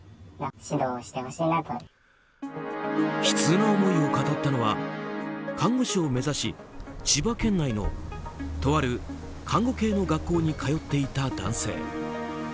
悲痛な思いを語ったのは看護師を目指し千葉県内のとある看護系の学校に通っていた男性。